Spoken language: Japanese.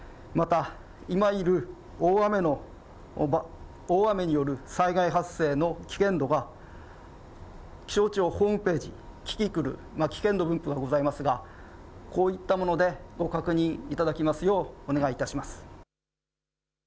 また大雨による災害発生の危険度が気象庁ホームページ、キキクル危険度分布でございますがこういったものでご確認いただきますようお願いいたします。